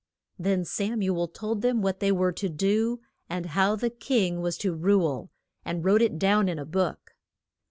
Then Sam u el told them what they were to do, and how the king was to rule, and wrote it down in a book.